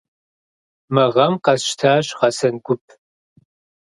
Мы гъэм къэсщтащ гъэсэн гуп.